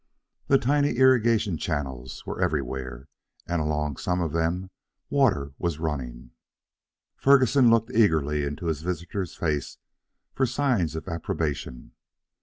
The tiny irrigation channels were every where, and along some of them the water was running. Ferguson looked eagerly into his visitor's face for signs of approbation.